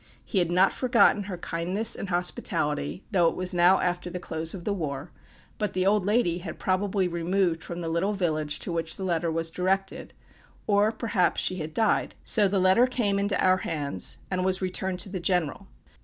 He had not forgotten her kindness and hospitality, though it was now after the close of the war; but the old lady had probably removed from the little village to which the letter was directed, or, perhaps, she had died: so the letter came into our hands, and was returned to the general.